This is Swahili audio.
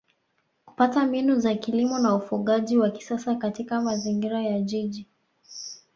kupata mbinu za kilimo na ufugaji wa kisasa katika mazingira ya Jiji